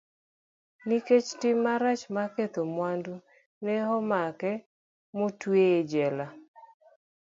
Nikech tim marach mar ketho mwandu, ne omake motueye e jela.